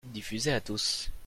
Diffuser à tous.